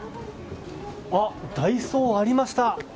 ダイソーがありました。